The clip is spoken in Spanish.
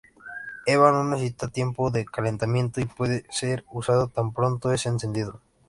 Eva no necesita tiempo de calentamiento y puede ser usado tan pronto es encendido.